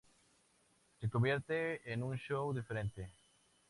Se convierte en un show diferente.